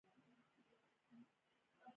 ډېره تېزه سيلۍ وه